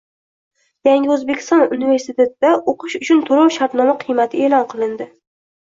Yangi O‘zbekiston universitetida o‘qish uchun to‘lov-shartnoma qiymati e'lon qilindi.